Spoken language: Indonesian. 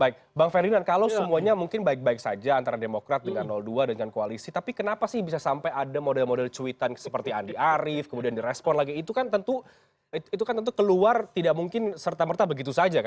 baik bang ferdinand kalau semuanya mungkin baik baik saja antara demokrat dengan dua dengan koalisi tapi kenapa sih bisa sampai ada model model cuitan seperti andi arief kemudian direspon lagi itu kan tentu keluar tidak mungkin serta merta begitu saja